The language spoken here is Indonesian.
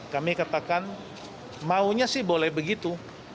kami katakan maunya sih boleh begitu